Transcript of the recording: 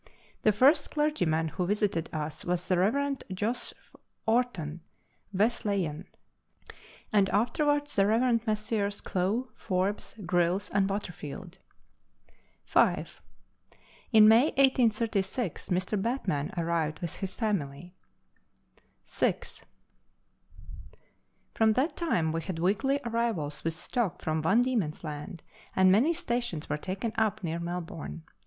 The first clergyman who visited us was the Rev. Jos. Orton, Wesleyan, and afterwards the Revs. Messrs. Clow, Forbes, Grylls, and Waterfield. Letters from Victorian Pioneers. 251 5. In May 183G Mr. Batman arrived with his family. 6. From that time we had weekly arrivals with stock from Van Diemen's Laud, and many stations were taken up near Mel bourne.